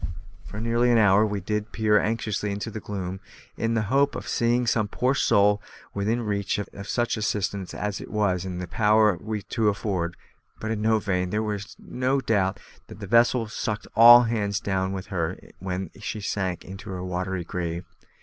For nearly an hour did we peer anxiously into the gloom, in the hope of seeing some poor soul within reach of such assistance as it was in our power to afford, but in vain; there is no doubt that the vessel sucked all hands down with her when she sank into her watery grave.